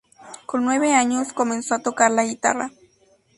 Con nueve años, comenzó a tocar la guitarra.